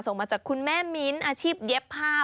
ส่งมาจากคุณแม่มิ้นท์อาชีพเย็บผ้า